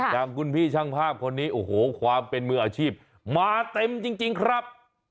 อย่างคุณพี่ช่างภาพคนนี้โอ้โหความเป็นมืออาชีพมาเต็มจริงครับ